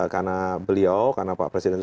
karena beliau karena pak presiden itu